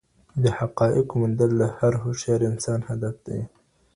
د حقایقو موندل د هر هوښیار انسان هدف وي.